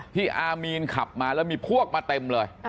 อามีนขับมาแล้วมีพวกมาเต็มเลย